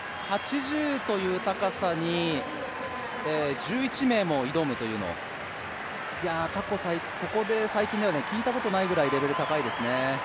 ８０という高さに１１名も挑むという、ここ最近では聞いたことないぐらいレベル高いですね。